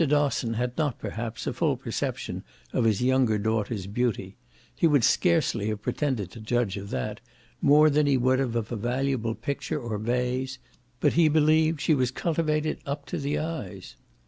Dosson had not perhaps a full perception of his younger daughter's beauty: he would scarcely have pretended to judge of that, more than he would of a valuable picture or vase, but he believed she was cultivated up to the eyes.